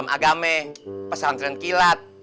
program agame pesantren kilat